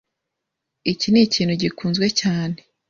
Iki nikintu gikunzwe cyane.